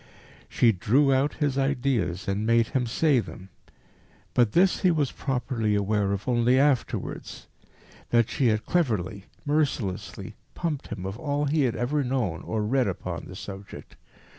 She drew out his ideas and made him say them. But this he was properly aware of only afterwards that she had cleverly, mercilessly pumped him of all he had ever known or read upon the subject.